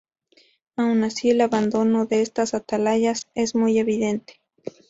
Aun así, el abandono de estas atalayas es muy evidente.